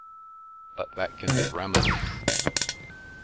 But that can be remedied.